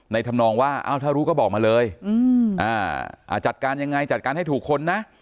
ทำนองว่าถ้ารู้ก็บอกมาเลยจัดการยังไงจัดการให้ถูกคนนะ